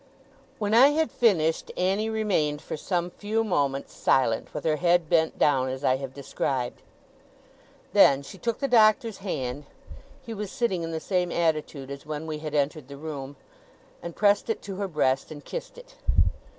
When I had finished, Annie remained, for some few moments, silent, with her head bent down, as I have described. Then, she took the Doctor's hand (he was sitting in the same attitude as when we had entered the room), and pressed it to her breast, and kissed it.